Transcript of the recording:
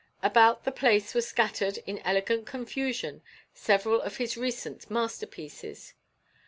About the place were scattered in elegant confusion several of his recent masterpieces.